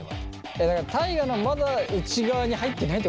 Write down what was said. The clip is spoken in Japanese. いやだから大我のはまだ内側に入ってないってことなんじゃない？